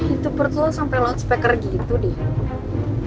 itu perut lo sampe lo speker gitu deh